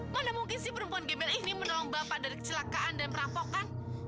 mana mungkin si perempuan gemel ini menolong bapak dari kecelakaan dan perampokan